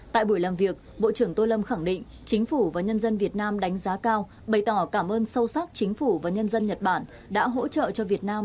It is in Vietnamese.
tại buổi làm việc bộ trưởng tô lâm khẳng định chính phủ và nhân dân việt nam đánh giá cao bày tỏ cảm ơn sâu sắc chính phủ và nhân dân nhật bản đã hỗ trợ cho việt nam